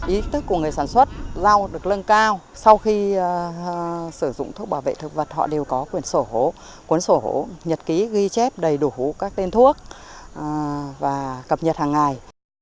ý thức của người sản xuất rau được lân cao sau khi sử dụng thuốc bảo vệ thực vật họ đều có quyền sổ hổ quyền sổ hổ nhật ký ghi chép đầy đủ các tên thuốc và cập nhật hàng ngày